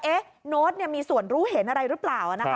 เนา๊ตเนี่ยมีสวนรู้เห็นอะไรหรือเปล่านะคะ